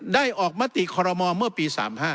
ได้ออกมติคอรมอลเมื่อปี๓๕